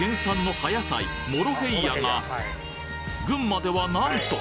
群馬ではなんと！